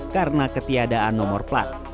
karena ketiadaan nomor plat